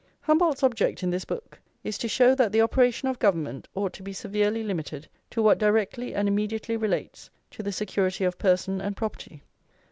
Humboldt's object in this book is to show that the operation of government ought to be severely limited to what directly and immediately relates to the security of person and property.